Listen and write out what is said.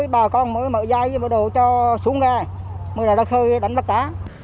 bà con mới mở dây mở đồ cho xuống gai mới là đã khơi đánh bắt cá